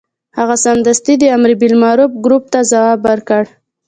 هغه سمدستي د امر بالمعروف ګروپ ته ځواب ورکړ.